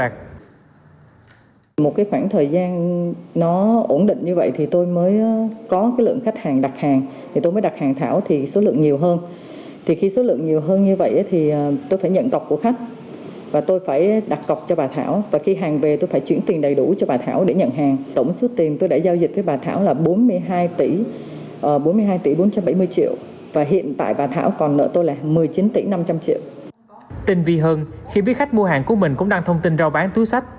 tình vi hơn khi biết khách mua hàng của mình cũng đang thông tin ra